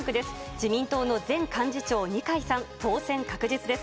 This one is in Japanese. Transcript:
自民党の前幹事長、二階さん、当選確実です。